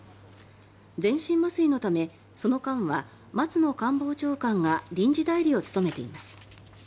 全身麻酔のためその間は松野官房長官が臨時代理を務めています。